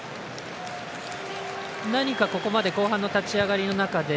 何かここまで後半の立ち上がりの中で